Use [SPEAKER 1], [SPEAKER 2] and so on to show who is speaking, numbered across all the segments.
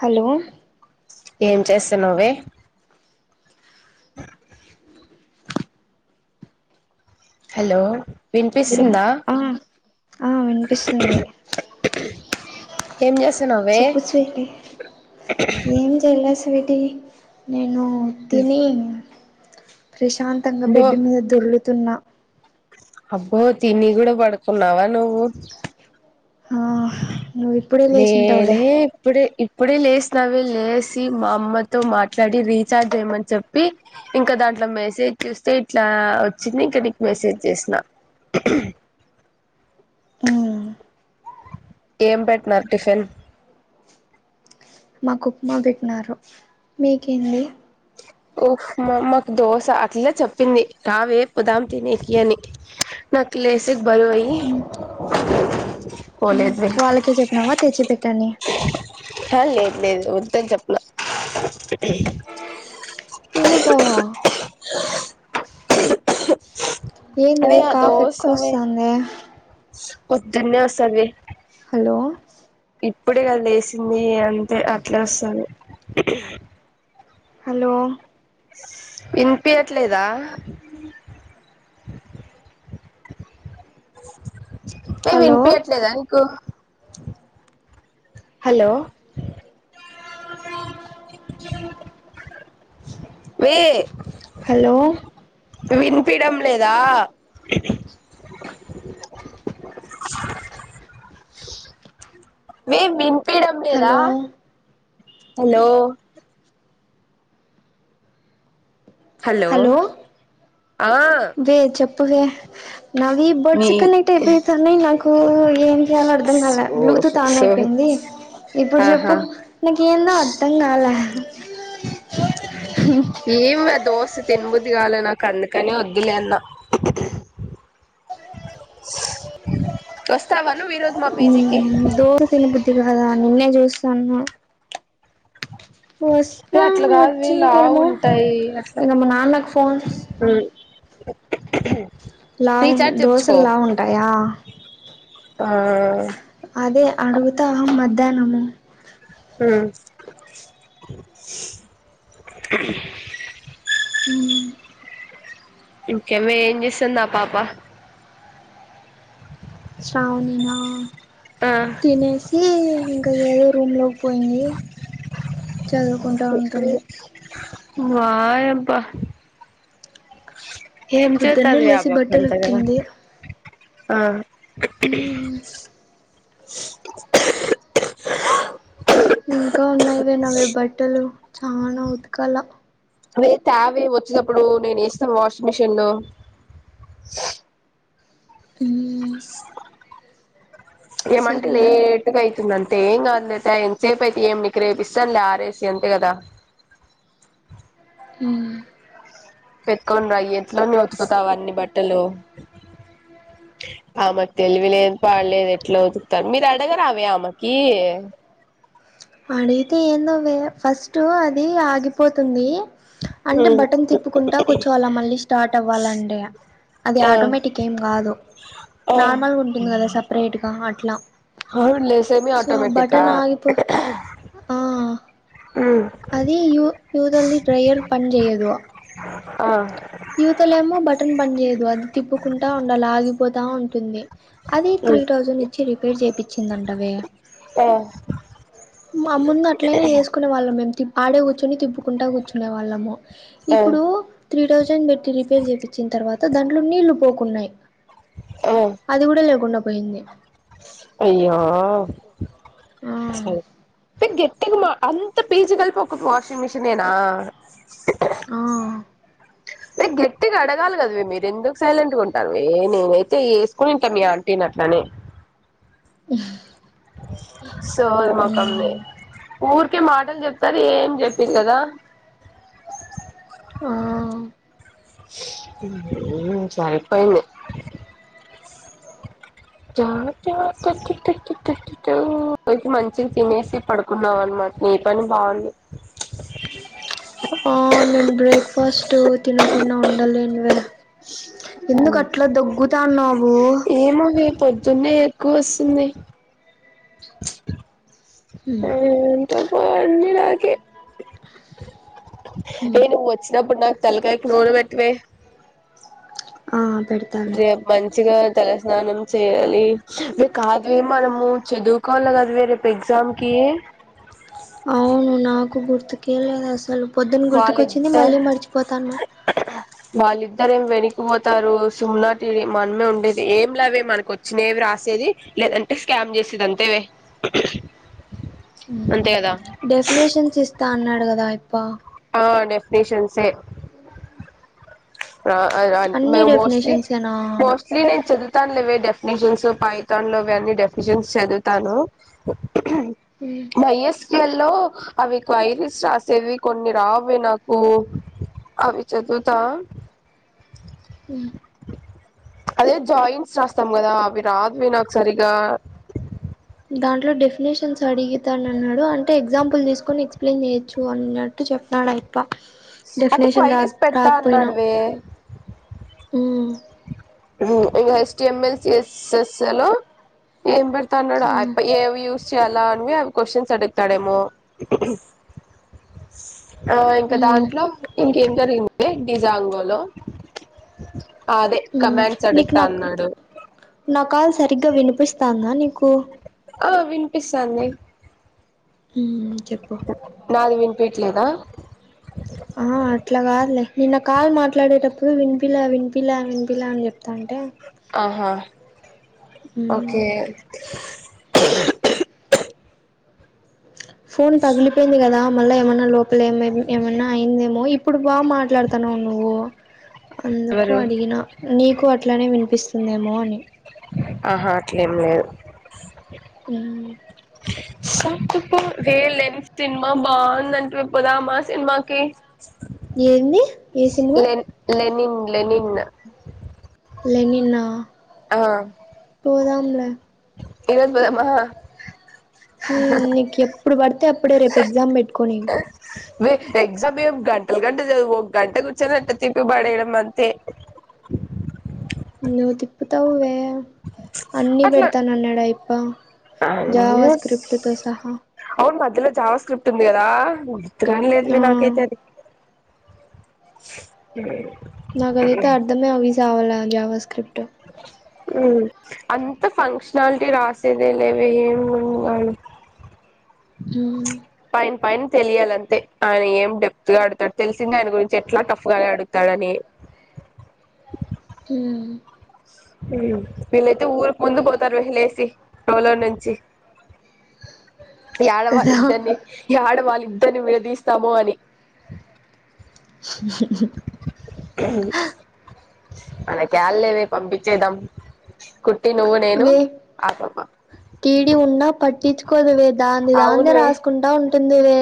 [SPEAKER 1] Hello
[SPEAKER 2] ఏం చేస్తున్నావ్ వే హలో వినిపిస్తుందా
[SPEAKER 1] ఆ ఆ వినిపిస్తుంది
[SPEAKER 2] ఇ ఏం జేస్తున్నావ్
[SPEAKER 1] చెప్పు స్వీటి ఏం జేయలె స్వీటి నేను తిని ప్రశాంతంగా
[SPEAKER 2] బో
[SPEAKER 1] బెడ్డు మీద దొర్లు తున్నా
[SPEAKER 2] అబ్బో తిని గూడా పడుకున్నావా నువ్వు
[SPEAKER 1] [unintelligible]
[SPEAKER 2] నేనే
[SPEAKER 1] లేచింటావులే
[SPEAKER 2] ఇప్పుడే ఇప్పుడే లేసినవే లేసి మా అమ్మతో మాట్లాడి రీచార్జ్ జెయ్యమని చెప్పి ఇంకా దాంట్లో మెసేజ్ చూస్తే ఇట్లా వచ్చింది ఇంక నీకు మెసేజ్ చేసిన
[SPEAKER 1] ఉమ్
[SPEAKER 2] ఏం పెట్టినారు టిఫిన్
[SPEAKER 1] మాకు ఉప్మా పెట్నారు మీకేంది
[SPEAKER 2] ఉప్మా మాకు దోశ అట్లే చెప్పింది రావే పోదాం తినేకి అని నక్ లేసికి బరువయ్యి
[SPEAKER 1] ఉమ్ వాళ్ళకే చెప్పినవా తెచ్చి పెట్టనీ
[SPEAKER 2] హ లేదు లేదు ఎవర్తోని చెప్పలే
[SPEAKER 1] తిను పో
[SPEAKER 2] [unintelligible] అవే
[SPEAKER 1] ఏందివే కాఫ్ ఎక్కువ వస్తాందే
[SPEAKER 2] పొద్దన్నే వస్తాది వే
[SPEAKER 1] హలో
[SPEAKER 2] ఇప్పుడే గదా లేసింది అంతే అట్లే వస్తది
[SPEAKER 1] హలో
[SPEAKER 2] ఇనిపియట్లేద [unintelligible]
[SPEAKER 1] హలో
[SPEAKER 2] వినిపియట్లేద నీకు హలో
[SPEAKER 1] స [unintelligible]
[SPEAKER 2] వే
[SPEAKER 1] హలో
[SPEAKER 2] వినిపిడం లేదా
[SPEAKER 1] [unintelligible]
[SPEAKER 2] మే వినీపిడం లేద
[SPEAKER 1] హలో
[SPEAKER 2] హలో
[SPEAKER 1] హలో
[SPEAKER 2] ఆ
[SPEAKER 1] వే చెప్పు వే నావి బడ్స్
[SPEAKER 2] నీ
[SPEAKER 1] కనెక్ట్ అయిపోయి తన్నయి నాకు ఏం చేయాలో అర్థం కాల
[SPEAKER 2] సో
[SPEAKER 1] బ్లూటూత్ ఆన్
[SPEAKER 2] సో
[SPEAKER 1] అయిపోయింది ఇప్పుడు
[SPEAKER 2] ఆహా
[SPEAKER 1] చెప్పు నాకేందో అర్థం కాల
[SPEAKER 2] ఏమి [unintelligible] దోశ తినుముది కాల నాకి అందుకనే వద్దులేన్న వస్తస్తావ నువు ఈరోజు మా పిజీకి
[SPEAKER 1] తన బుద్ధి కదా [unintelligible]
[SPEAKER 2] వే
[SPEAKER 1] వస్తా
[SPEAKER 2] అట్లా కాదు వే లావు
[SPEAKER 1] వచ్చకేమో
[SPEAKER 2] ఉంటాయి అట్లా
[SPEAKER 1] ఇగ మ నాన్నకు పోన్ లా ఉ
[SPEAKER 2] రీఛార్జ్ చేపించుకో
[SPEAKER 1] దోశలు లా [unintelligible] ఉంటాయ
[SPEAKER 2] ఆ
[SPEAKER 1] అదే అడుగుతా మధ్యానము
[SPEAKER 2] ఉ
[SPEAKER 1] హు
[SPEAKER 2] ఇంకే వే ఎం చేస్తంది ఆ పాప
[SPEAKER 1] శ్రావణిన
[SPEAKER 2] ఆ
[SPEAKER 1] తినే [unintelligible] ఇంకా ఏదో రూమ్ లోకి పోయింది చదువు
[SPEAKER 2] వాయబ్బ
[SPEAKER 1] పొద్దున్నే
[SPEAKER 2] [unintelligible] వే ఆ
[SPEAKER 1] లేసి
[SPEAKER 2] పాప
[SPEAKER 1] బట్టలు
[SPEAKER 2] అంతగానం
[SPEAKER 1] ఉతికింది
[SPEAKER 2] ఆ
[SPEAKER 1] మ్మ్ ఇంక ఉన్నాయి వే నవీ బట్టలు చాన ఉతకల
[SPEAKER 2] వే త్యావే [unintelligible] ప్పుడు నేను వేస్తాం వాషింగ్ మిషిన్ లో
[SPEAKER 1] హు
[SPEAKER 2] ఏమంట లే
[SPEAKER 1] సర్లే
[SPEAKER 2] [unintelligible] ఏం కాదులే ఎం సేపు అయితే ఏం నీకు రేపి ఇస్తా లే ఆరేసి అంతే కదా,
[SPEAKER 1] హు
[SPEAKER 2] [unintelligible] ఎట్లా అన్ని ఉతుకుతావు అన్ని బట్టలు, ఆమెకు తెలివిలేదు పాడులేదు ఎట్లా ఉతుకుతానదో మీరు అడగరా అవ ఆమెకి,
[SPEAKER 1] అడిగితే ఏందో వే ఫస్ట్ అది ఆగిపోతుంది. అంటే
[SPEAKER 2] ఉమ్
[SPEAKER 1] బటన్ తిప్పుకుంట కూర్చోవాల మళ్ళీ స్టార్ట్ అవ్వాలంటే, అది
[SPEAKER 2] ఆ
[SPEAKER 1] ఆటోమేటిక్ ఏం కాదు
[SPEAKER 2] ఆ
[SPEAKER 1] నార్మల్గ ఉంటుంది. కదా సపరేట్గా అట్ల
[SPEAKER 2] అవునులే సెమి ఆటోమేటికా,
[SPEAKER 1] ఆగిపో ఆ
[SPEAKER 2] ఉమ్
[SPEAKER 1] అది [unintelligible] డ్రయర్ పన్చేయదు
[SPEAKER 2] ఆ
[SPEAKER 1] యువతల ఏమో బటన్ పని చేయదు అది తిప్పుకుంటా ఉండాలి ఆగిపోతా ఉంటుంది. అది త్రీ
[SPEAKER 2] ఉమ్
[SPEAKER 1] థౌజండ్ ఇచ్చి రిపేర్ చే [unintelligible] చిందంటవే,
[SPEAKER 2] ఆ
[SPEAKER 1] మా ముందు అట్లయినా చేసుకునే వాళ్ళం మేము అడే కూర్చోని తిప్పుకుంటా కూర్చునే వాళ్ళము
[SPEAKER 2] ఆ
[SPEAKER 1] ఇప్పుడు త్రీ థౌజండ్ పెట్టి రిపేర్ చేపించిన తర్వాత దాంట్లో నీళ్లు పోకున్నాయి
[SPEAKER 2] ఆ
[SPEAKER 1] అది కూడా లేకుండా పోయింది
[SPEAKER 2] అయ్యో
[SPEAKER 1] ఆ
[SPEAKER 2] గట్టిగా మా అంత పీజి కలిపి ఒక వాషింగ్ మిషిన్ నేనా
[SPEAKER 1] ఆ
[SPEAKER 2] ల్ గట్టిగా అడగాలి కదావే మీరు ఎందుకు సైలెంట్గా ఉంటారు ఏ నేనైతే వేసుకునింటా మీ ఆంటీని అట్లనే సోది మొకంది
[SPEAKER 1] మ్మ్
[SPEAKER 2] ఊరికే మాటలు చెప్తది ఏం చెప్పిది కదా
[SPEAKER 1] ఆ
[SPEAKER 2] మ్ సారి పోయింది జా జ అ తకి అయితే మంచిగా తినేసి పడుకున్నావ్ అనమాట ని పని బాగుంది
[SPEAKER 1] ఆ నేను బ్రేక్ఫాస్ట్ తినకుండా ఉండలేనువే ఎందుకట్లా దగ్గుతాన్నవ్
[SPEAKER 2] ఏమొవే పొద్ జున్నే ఎక్కువోస్తుంది
[SPEAKER 1] హ్మ్
[SPEAKER 2] ఆ అన్ని నాకే
[SPEAKER 1] హ్మ్
[SPEAKER 2] నీను వద్ వచ్చినప్పుడు నాకు తల్లకాయకి నూనె పెట్టవే
[SPEAKER 1] ఆ పెడ్
[SPEAKER 2] రేప్ మంచిగా తలస్నానం చేయాలి వే కాదువే మనము చదువు కోవాలె కాదా వే రేపు ఎగ్జామ్కి
[SPEAKER 1] అవును నాకు గుర్తుకే లేదు అసలు పొద్దున్న గుర్తుకొచ్చింది మళ్ళీ మర్చిపోతాన్న
[SPEAKER 2] వాళ్ళిద్దరం వెనక్కిపోతారు సుమ్నాటి మనమే ఉండేది ఏం లేవే మనకో చ్చినవి రాసేది లేదంటే స్కామ్ చేసేది అంతేవే అంతే కదా
[SPEAKER 1] డెఫినేషన్స్ ఇస్తా అన్నాడు కదా ఇప్ప
[SPEAKER 2] ఆ డెఫినేషన్స్ ఎ ఆ అదే
[SPEAKER 1] అన్ని
[SPEAKER 2] ద్ మోస్ట్లీ
[SPEAKER 1] డెఫినేషన్సేనా
[SPEAKER 2] మోస్ట్ స్ట్లీ నేను చదువుతాను లేవే డెఫినేషన్స్ పైథాన్లో ఇవన్నీ డెఫినేషన్స్ చదువుతాను [unintelligible]
[SPEAKER 1] మ్
[SPEAKER 2] వైఎస్కఎ లో అవి క్వైరీస్ రాసేవి కొన్ని రావే నాకు అవి చదువుతా
[SPEAKER 1] మ్
[SPEAKER 2] అదే జాయింట్స్ రాస్తాం కదా అవి రావి రావే నాకు సరిగా
[SPEAKER 1] దాంట్లో డెఫినేషన్స్ అడిగి తానన్నాడు అంటే ఎగ్జాంపుల్ తీసుకొని ఎక్స్ప్లెయిన్ చేయొచ్చు అన్నా ట్టు చెప్పినడు అయిప్ప డెఫినేషన్ రా రాకపోయిన
[SPEAKER 2] ఏ
[SPEAKER 1] మ్
[SPEAKER 2] ఇం ఎస్టి ఎంఎల్ సి ఎస్ఎస్లో ఏం పెడుతాన్నాడు
[SPEAKER 1] ఉమ్
[SPEAKER 2] అయప్పు ఎ యూస్ చేయాలా అని అవి క్వశ్చన్స్ అడుగుతాడేమో ఆ ఇంకా
[SPEAKER 1] ఉమ్
[SPEAKER 2] దాంట్లో ఇంకేం జరిగింది బే డిజాంగో లో అదే
[SPEAKER 1] ఉమ్
[SPEAKER 2] కమెంట్స్
[SPEAKER 1] నీకు నాకు
[SPEAKER 2] అడుగుతాన్నాడు
[SPEAKER 1] నా కాల్ సరిగ్గా వినిపిస్తాందా నీకు
[SPEAKER 2] అ వినిపిస్తాంది
[SPEAKER 1] ఉ చెప్పు
[SPEAKER 2] నాది విన్పీట్లేదా
[SPEAKER 1] ఆ అట్ల కాదులే నిన్న కాల్ మాట్లాడేటప్పుడు వినిపిలే వినిపిలే వినిపిలే అని చెప్తాంటే
[SPEAKER 2] ఆహా ఓకే
[SPEAKER 1] ఫోన్ పగిలిపోయింది కదా మళ్ళా ఏమన్నా లోపలే ఏమ ఏమన్నా అయిందేమో ఇప్పుడు బాగ మాట్లాడతాన్నావు నువ్వు అందుకు
[SPEAKER 2] ఎవరు
[SPEAKER 1] అడిగిన నీకు అట్లానే వినిపిస్తుందేమో అని
[SPEAKER 2] ఆహా అట్లేం లేదు
[SPEAKER 1] ఉమ్
[SPEAKER 2] కు వేలేని సినిమా బాగుందంట పోదామ సినిమాకి
[SPEAKER 1] ఏంది ఏ సినిమా
[SPEAKER 2] లెన్ లెనిన్ లెనిన్
[SPEAKER 1] లెనిన్ నా
[SPEAKER 2] ఆ
[SPEAKER 1] పోదాములే
[SPEAKER 2] ఇరోజు పోదమా
[SPEAKER 1] నీ నీకు ఎప్పుడు పడితే అప్పుడే రేపు ఎగ్జామ్ పెట్టుకొని
[SPEAKER 2] ఎగ్జామ్ ఏం గంటల గంట చదువు ఒక గంట కూచ్చానట్ట తిప్పి పడెయడం అంతే
[SPEAKER 1] నువ్వు తిప్పుతవువే అన్నీ
[SPEAKER 2] అట్లా
[SPEAKER 1] పెడతాను అన్నాడా అయప్ప జావా స్క్రిప్ట్ తో సహా
[SPEAKER 2] అవును మధ్యలో జావ స్క్రిప్ట్ ఉంది కదా
[SPEAKER 1] ఆ
[SPEAKER 2] [unintelligible] నాకైతే అది [unintelligible]
[SPEAKER 1] నాకు అదైతే అర్థమే అవి సావాలె జావా స్క్రిప్ట్
[SPEAKER 2] ఉ అంత ఫంక్షనాలిటీ రాసేదే లేవె ఏమినడు
[SPEAKER 1] జా
[SPEAKER 2] పైన పైన తెలియాలంతే ఆయన ఏం డెప్త్ గా అడతాడు తెలిసింది ఆయన గురించి ఎట్ల టఫ్ గానే అడుగుతడని
[SPEAKER 1] ఉ
[SPEAKER 2] వీళ్ళైతే ఊరికు ముందు పోతారు వే లేసి [unintelligible] నుంచి ఏడ
[SPEAKER 1] కదా
[SPEAKER 2] వాళ్ళిద్దరిని ఏడవాళ్ళిద్దరిని విడదీస్తామో అని మనకెళ్లేవే పంపించేదాం కుట్టి నువ్వు నేను అమ్మమ్మ
[SPEAKER 1] టీడి ఉన్నా పట్టించుకోదవె దాన్ని దాందే
[SPEAKER 2] అవునువే
[SPEAKER 1] రాసుకుంటా ఉ దివే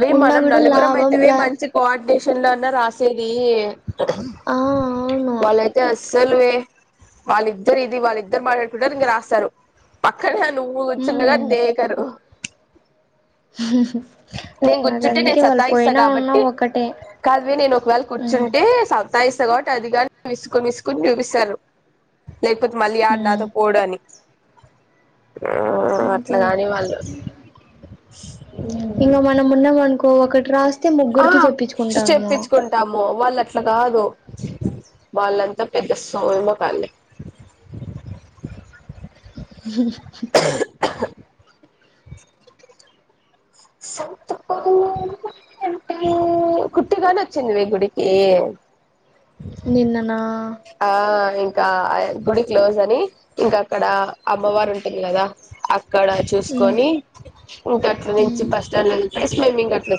[SPEAKER 2] వే
[SPEAKER 1] ఉన్నా
[SPEAKER 2] మనం
[SPEAKER 1] కూడా
[SPEAKER 2] నలుగురం అయితేవే
[SPEAKER 1] లాభంలె
[SPEAKER 2] మంచి కోఆర్డినేషన్ లో అన్నా రాసేది
[SPEAKER 1] ఆ అవును
[SPEAKER 2] అయితే అస్సలు వే వాళ్ళిద్దరు ఇది వాళ్ళ ఇద్దరు మాట్లాడుకుంటారు ఇంకా రాస్తారు పక్కనే నువ్వు కూర్చుండగా
[SPEAKER 1] హ్మ్
[SPEAKER 2] దకరు
[SPEAKER 1] హ
[SPEAKER 2] నేను కూర్చుంటే నేను సత్తాయిస్తా
[SPEAKER 1] ఉన్నా
[SPEAKER 2] కాబట్టి
[SPEAKER 1] ఒకటే
[SPEAKER 2] కాదువి నేను ఒకవేళ
[SPEAKER 1] హ్మ్
[SPEAKER 2] కూర్చుంటే తయిస కాబట్టి అదిగా మీసుకని మీసుకొని చూపిస్తారు లేకపోతే మళ్ళీ ఆడ
[SPEAKER 1] హ్మ్
[SPEAKER 2] నాతో పోడ అని ఆ
[SPEAKER 1] అంతేలే
[SPEAKER 2] అట్లాగాని వాళ్ళు
[SPEAKER 1] ఇంకా మనం ఉన్నాం అనుకో ఒకటి రాస్త అయితే ముగ్గురికి చెప్పించుకుంటాము
[SPEAKER 2] తాము వాళ్ళు అట్లా కాదు వాళ్ళంతా పెద్ద సోయి మోకాలే
[SPEAKER 1] ఉ
[SPEAKER 2] కుట్టిగానే వచ్చింది వే గుడికి
[SPEAKER 1] నిన్న నా
[SPEAKER 2] ఆ ఇంకా గుడి క్లోజ్ అని ఇంకా అక్కడ అమ్మవారు ఉంటుంది కదా అక్కడ
[SPEAKER 1] హ్మ్
[SPEAKER 2] చూసుకొని ఇకా అట్ల నుంచి బస్ స్టాండ్ వెళ్ స్మిమ్మింగ్ అట్లా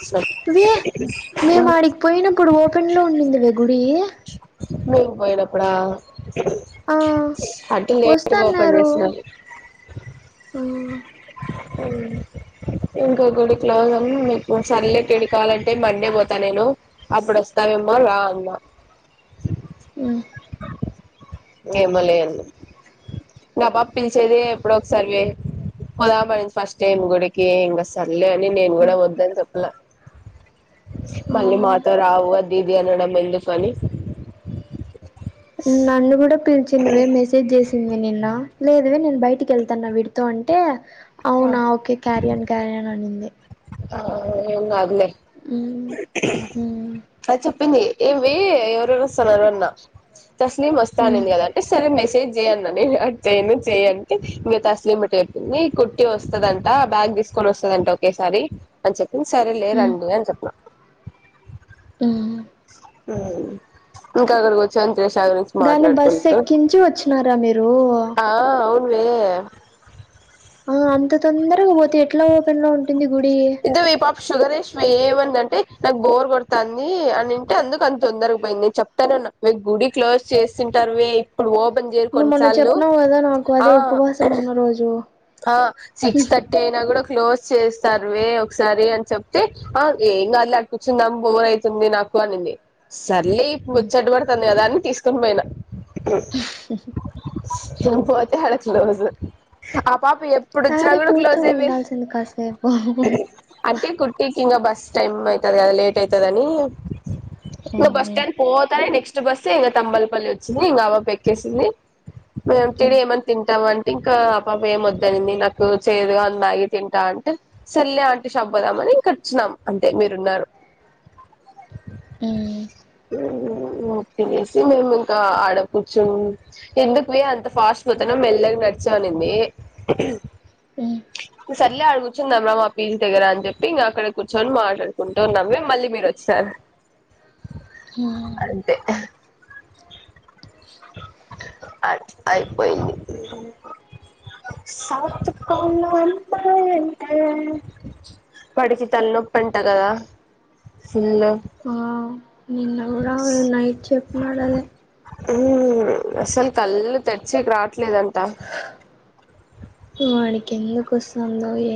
[SPEAKER 1] వి మేము ఆడికి పోయినప్పుడు ఓపెన్ లో ఉండిందివే గుడి
[SPEAKER 2] మీకు పోయిడప్పుడా
[SPEAKER 1] ఆ
[SPEAKER 2] అటు లేేట్ గా ఓపెన్
[SPEAKER 1] వస్తన్నారు
[SPEAKER 2] చేసినారు
[SPEAKER 1] ఆ
[SPEAKER 2] అ ఇంకా గుడి క్లోజ్ అనీ నీకు సర్లే తడి కావాలంటే మండే పోతా నేను అప్పుడస్తవెమో రా అన్న
[SPEAKER 1] మ్
[SPEAKER 2] ఏమలే ఆ పాప పిలిచేది ఎప్పుడో ఒకసారివే పొదమనింది ఫస్ట్ టైమ్ గుడికి ఇంకా సర్లే అని నేను కూడా వద్దని చెప్పలే
[SPEAKER 1] ఆ
[SPEAKER 2] మళ్ళీ మాతో రావు ఆదీది అనడం ఎందుకు అని
[SPEAKER 1] నన్ను కూడా పిలిచిందివే మెసేజ్ చేసి చింది నిన్న లేదువే నేను బయటికి వెళ్తాన్నా విడితో అంటే అవునా ఓకే క్యారియన్ క్యారియర్ అనింది
[SPEAKER 2] ఆ ఏం కాదులే
[SPEAKER 1] మ్ మ్
[SPEAKER 2] అది చెప్పింది ఏమివే ఎవరెవరు వస్తున్నారు అన్న తస్లీం వస్తా
[SPEAKER 1] మ్
[SPEAKER 2] అనింది కదా సరే మెసేజ్ చేయి అన్న అటు చేయను చేయి అంటె ఇంగ తస్లీము మిట చెప్పింది వస్తదంటా బ్యాగ్ తీసుకొని వస్తదంట ఒకేసారి అని చెప్పింది సరేలే
[SPEAKER 1] మ్
[SPEAKER 2] రండి అని చెప్పిన
[SPEAKER 1] ఆ
[SPEAKER 2] ఇంకా అక్కడికి వచ్చి అంతరేష గురించి
[SPEAKER 1] దాని బస్సు
[SPEAKER 2] మాట్లాడుకుంటూ
[SPEAKER 1] ఎక్కించి వచ్చినారా మీరు
[SPEAKER 2] ఆ అవునువే
[SPEAKER 1] ఆ అంత తొందరగా పోతే ఎట్లా ఓపెన్లో ఉం
[SPEAKER 2] ఇదివి పాప షుగర్ ఏష ఏమంది అంటే నాకు బోర్ కొడుతంది అనింటే అందుకు అంత తొందరగాపోయింది చె తను మీ గుడి క్లోజ్ చేస్తుంటారువే ఇప్పుడు ఓపెన్ చేయరు
[SPEAKER 1] నువ్వు మొన్న
[SPEAKER 2] కొన్నిసార్లు
[SPEAKER 1] చెప్పినావు కదా నాకు
[SPEAKER 2] ఆ
[SPEAKER 1] అదే ఉపవాసం ఉన్న రోజు
[SPEAKER 2] ఆ సిక్స్ థర్టీ అయినా కూడా క్లోజ్ చేస్తారు వే ఒకసారి అని చెప్తే ఆ ఏం కాదులే ఆడ కూర్చుందాం బొర్ అయితుంది నాకు అనింది సర్లే ముచ్చడ్ పడుతుంది కదా అన్ని తీసుకొని పోయినా పోతే అడ క్లోజ్ ఆ పాప ఎప్
[SPEAKER 1] ఆడే కూర్చొని ఉండాల్సింది కాసేపు
[SPEAKER 2] అంటే కుట్టీ కింగ బస్ టైమ్ అయితది గద లేట్ అయితదని ఇగ బస్ స్టాండ్ పోతానే నెక్స్ట్ బస్ ఎంగ తంబల్పల్లి ఒచ్చింది ఇంకగాబాప్ ఎక్కేసింది నువ్ ఎం తిడి ఏమన్ తింటావన్ ఇంకా ఆ పాప ఏమోద్దనింది నాకు చేదుగా ఉంద్ మాగి తింటా అంటే సర్లే ఆంటి షాప్ బోదామని ఇకచున్నాం అంతే మీరున్నారు [unintelligible] తినేసి మేమ్ ఇంక ఆడ కూర్చున్ ఎందుకువే అంత ఫాస్ట్ వోతనవ్ మెల్లగ నడిచు అనింది న్ సర్లే ఆడ గ్ ర్చుందమా మా పీజీ దగ్గర అన్ జెప్పి ఇంగాక్కడె కూర్చొన్ మాట్లాడుకుంట ఉన్నామె మళ్ళీ మీరొచ్చిసర్ అంతే అయ్ అయిపోయింది [unintelligible] అమ్మాయంటే వాడికి తలనొప్పంట గదా ఫుల్లు
[SPEAKER 1] ఆ నిన్న కూడా నైట్ చెప్పినాడదే
[SPEAKER 2] ఊహ్మ్ అస్సల్ కల్ తెడ్చిక్ రాట్లేదంట
[SPEAKER 1] వాడికెందుకొస్తుందో ఎ